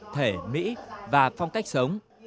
thể mỹ và phong cách sống